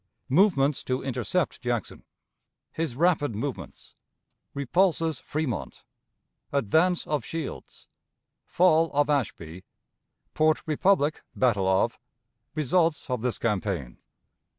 Movements to intercept Jackson. His Rapid Movements. Repulses Fremont. Advance of Shields. Fall of Ashby. Port Republic, Battle of. Results of this Campaign.